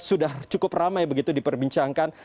sudah cukup ramai begitu diperbincangkan